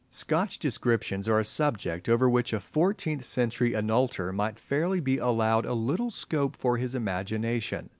Scotch descriptions are a subject over which a fourteenth century Hainaulter might fairly be allowed a little scope for his imagination.